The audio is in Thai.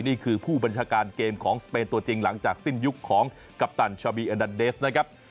นี่คือผู้บัญชาการเกมของสเปนตัวจริงหลังจากสิ้นยุคของกัปตันชาบีอดันเดสนะครับ